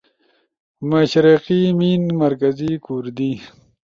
مشرقی میِن، مرکزی کُوردی